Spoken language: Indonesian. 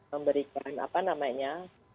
memberikan apa namanya